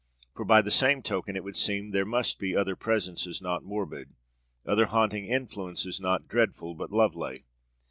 For, by the same token, it would seem there must be other presences not morbid; other haunting influences, not dreadful, but lovely.